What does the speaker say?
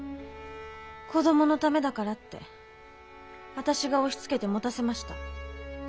子どものためだからって私が押しつけて持たせました。